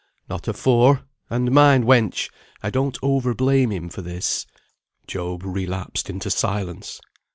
"Not afore; and mind, wench! I don't over blame him for this." Job relapsed into silence.